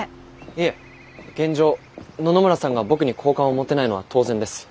いえ現状野々村さんが僕に好感を持てないのは当然です。